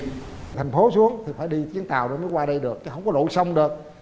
thành phố xuống thì phải đi chiến tàu mới qua đây được chứ không có lộ sông được